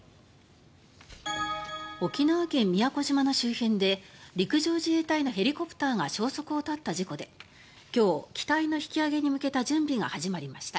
沖縄県・宮古島の周辺で陸上自衛隊のヘリコプターが消息を絶った事故で今日、機体の引き揚げに向けた準備が始まりました。